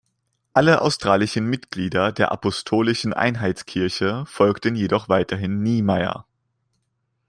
Alle australischen Mitglieder der Apostolischen Einheits-Kirche folgten jedoch weiterhin Niemeyer.